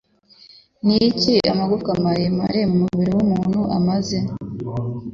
Niki Amagufa maremare mumubiri wumuntu amaze